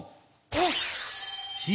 おっ。